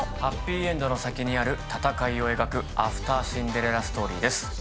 ハッピーエンドの先にある戦いを描くアフターシンデレラストーリーです。